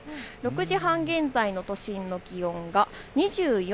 ６時半現在の都心の気温が２４．６度。